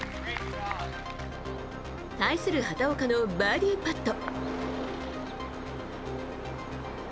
対する畑岡のバーディーパット。